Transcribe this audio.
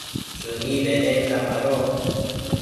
shëni bedenda mado